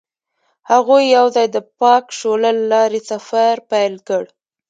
هغوی یوځای د پاک شعله له لارې سفر پیل کړ.